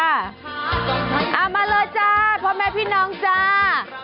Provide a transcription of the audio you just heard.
เอามาเลยจ้าพ่อแม่พี่น้องจ้า